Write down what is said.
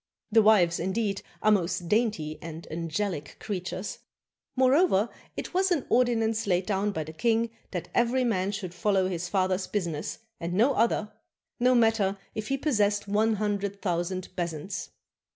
The wives, indeed, are most dainty and angelic creatures! Moreover, it was an ordinance laid down by the king that every man should follow his father's business and no other, no matter if he possessed one hundred thou sand bezants.